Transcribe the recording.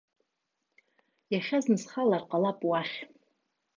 Иахьа зны схалар ҟалап уахь.